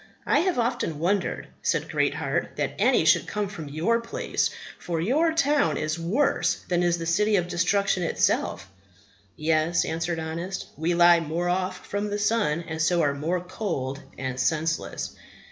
I have often wondered, said Greatheart, that any should come from your place; for your town is worse than is the City of Destruction itself. Yes, answered Honest, we lie more off from the sun, and so are more cold and senseless.